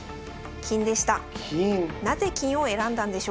金でした。